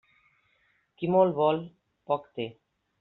Qui molt vol, poc té.